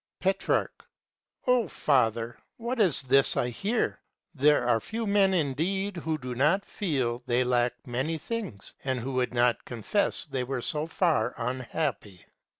Petrarch. O father, what is this I hear? There are few men indeed who do not feel they lack many things and who would not confess they were so far unhappy.